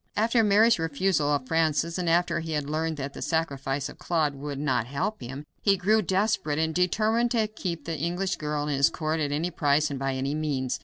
After Mary's refusal of Francis, and after he had learned that the sacrifice of Claude would not help him, he grew desperate, and determined to keep the English girl in his court at any price and by any means.